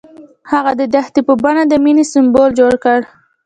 هغه د دښته په بڼه د مینې سمبول جوړ کړ.